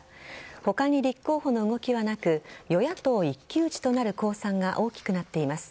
他に立候補の動きはなく与野党一騎打ちとなる公算が大きくなっています。